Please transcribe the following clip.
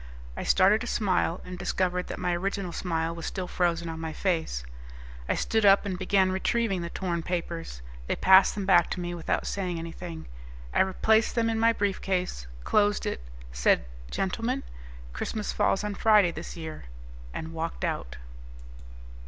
I started to smile and discovered that my original smile was still frozen on my face. I stood up and began retrieving the torn papers; they passed them back to me without saying anything. I replaced them in my briefcase, closed it, said, "Gentlemen, Christmas falls on Friday this year," and walked out.